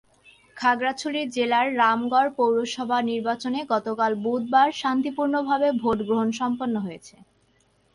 খাগড়াছড়ি জেলার রামগড় পৌরসভা নির্বাচনে গতকাল বুধবার শান্তিপূর্ণভাবে ভোট গ্রহণ সম্পন্ন হয়েছে।